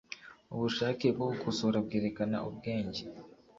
Ubushake bwo gukosora bwerekana ubwenge.